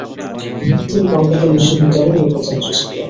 তিনি কলকাতা বিশ্ববিদ্যালয়ের উপাচার্য ছিলেন।